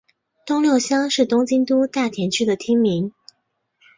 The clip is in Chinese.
东六乡是东京都大田区的町名。